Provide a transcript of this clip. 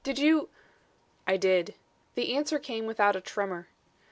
Did you " "I did." The answer came without a tremour.